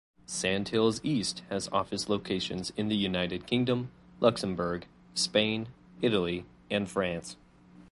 Sandhills East has office locations in the United Kingdom, Luxembourg, Spain, Italy, and France.